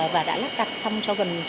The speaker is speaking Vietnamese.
và đã lắp đặt xong cho các nhà máy nước sạch